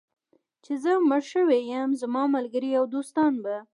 چې زه مړ شوی یم، زما ملګري او دوستان به.